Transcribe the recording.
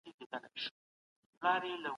د سياست په برخه کې نوي کتابونه وليکئ.